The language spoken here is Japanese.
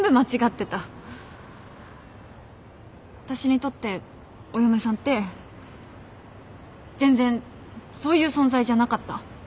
私にとってお嫁さんって全然そういう存在じゃなかった。